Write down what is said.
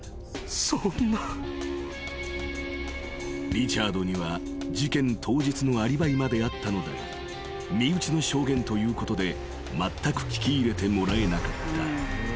［リチャードには事件当日のアリバイまであったのだが身内の証言ということでまったく聞き入れてもらえなかった］